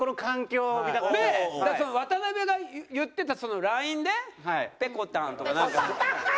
渡邊が言ってたＬＩＮＥで「ぺこたん」とかなんか。